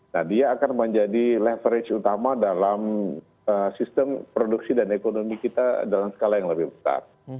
nah dia akan menjadi leverage utama dalam sistem produksi dan ekonomi kita dalam skala yang lebih besar